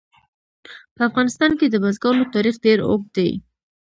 په افغانستان کې د بزګانو تاریخ ډېر اوږد دی.